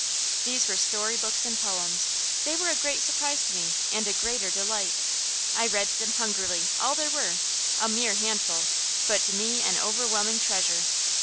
These were story books and poems. They were a great surprise to me and a greater delight. I read them hungrily, all there were a mere handful, but to me an overwhelming treasure.